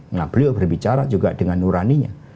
nah beliau berbicara juga dengan nuraninya